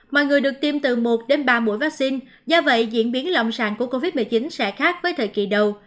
mà người được tiêm từ một ba mũi vaccine do vậy diễn biến lòng sàng của covid một mươi chín sẽ khác với thời kỳ đầu